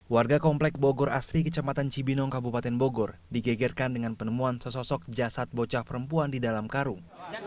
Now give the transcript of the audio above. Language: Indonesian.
warga komplek bogor asri kecamatan cibinong kabupaten bogor digegerkan dengan penemuan sesosok jasad bocah perempuan di dalam karung